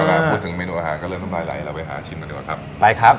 เออแล้วพูดถึงเมนูอาหารก็เริ่มต้นปลายไหล่เราไปหาชิมกันดีกว่าครับ